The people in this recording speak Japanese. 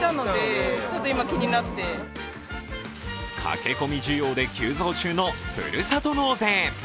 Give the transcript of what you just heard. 駆け込み需要で急増中のふるさと納税。